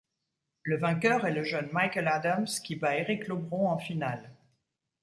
Le vainqueur est le jeune Michael Adams qui bat Eric Lobron en finale.